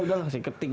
udah lah saya ketik